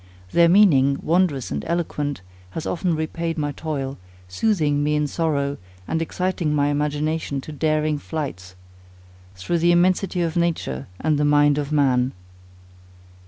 Their meaning, wondrous and eloquent, has often repaid my toil, soothing me in sorrow, and exciting my imagination to daring flights, through the immensity of nature and the mind of man.